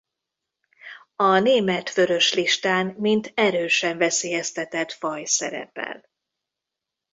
A német vörös listán mint erősen veszélyeztetett faj szerepel.